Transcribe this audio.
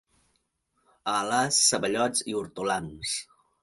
A Alàs, ceballots i hortolans.